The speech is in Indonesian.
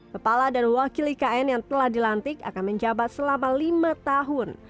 kepala dan wakil ikn yang telah dilantik akan menjabat selama lima tahun